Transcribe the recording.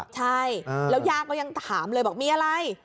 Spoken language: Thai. ใช่แล้วย่าก็ยังถามเลยบอกมีอะไร